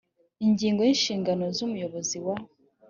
ingingo ya inshingano z umuyobozi wa